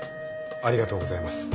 ありがとうございます。